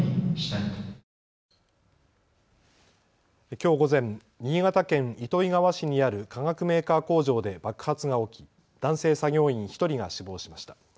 きょう午前、新潟県糸魚川市にある化学メーカー工場で爆発が起き男性作業員１人が死亡しました。